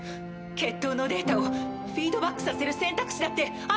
決闘のデータをフィードバックさせる選択肢だってあるのでは。